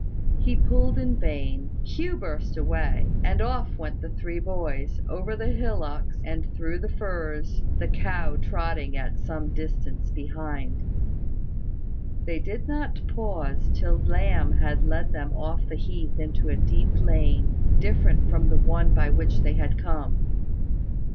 He pulled in vain Hugh burst away, and off went the three boys, over the hillocks and through the furze, the cow trotting at some distance behind. They did not pause till Lamb had led them off the heath into a deep lane, different from the one by which they had come.